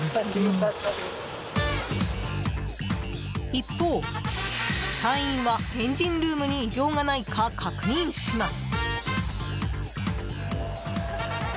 一方、隊員はエンジンルームに異常がないか確認します。